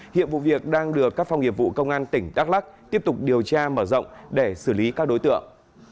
hiện vụ việc đang được các phòng nghiệp vụ công an tỉnh đắk lắc tiếp tục điều tra mở rộng để xử lý các đối tượng